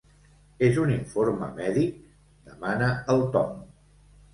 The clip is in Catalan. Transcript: És un informe mèdic? —demana el Tom—.